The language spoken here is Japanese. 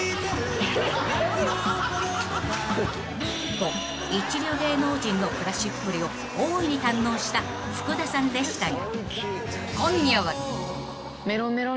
［と一流芸能人の暮らしっぷりを大いに堪能した福田さんでしたが］